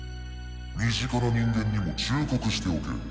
身近な人間にも忠告しておけ。